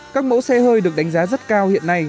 các mẫu xe hơi được đánh giá rất cao hiện nay